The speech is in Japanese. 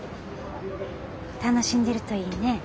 楽しんでるといいね。